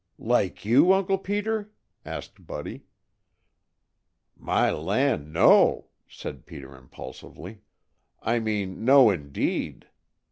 "Like you, Uncle Peter?" asked Buddy. "My land, no!" said Peter impulsively. "I mean, no, indeed.